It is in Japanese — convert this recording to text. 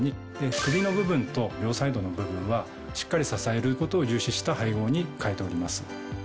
首の部分と両サイドの部分はしっかり支えることを重視した配合に変えております。